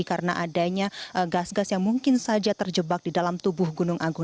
karena adanya gas gas yang mungkin saja terjebak di dalam tubuh gunung agung